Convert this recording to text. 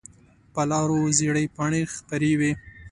په لارو زېړې پاڼې خپرې وي